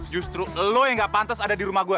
justru lo yang nggak pantes ada di rumah gue